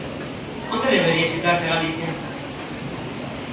¿Onde debería situarse Galicia?